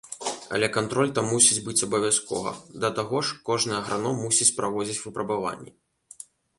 Але кантроль там мусіць быць абавязкова, да таго ж, кожны аграном мусіць праводзіць выпрабаванні.